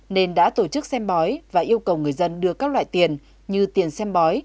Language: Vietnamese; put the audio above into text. nên đã tổ chức xem bói và yêu cầu người dân đưa các loại tiền như tiền xem bói